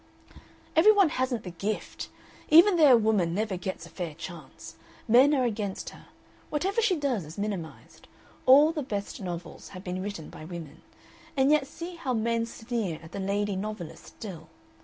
"Every one hasn't the Gift. Even there a woman never gets a fair chance. Men are against her. Whatever she does is minimized. All the best novels have been written by women, and yet see how men sneer at the lady novelist still!